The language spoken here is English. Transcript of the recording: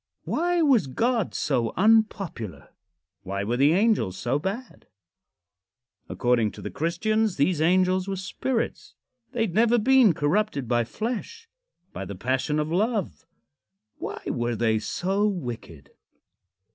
Why was God so unpopular? Why were the angels so bad? According to the Christians, these angels were spirits. They had never been corrupted by flesh by the passion of love. Why were they so wicked?